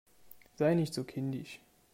Sei nicht so kindisch!